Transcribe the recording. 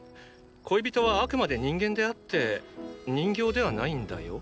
恋人はあくまで人間であって人形ではないんだよ。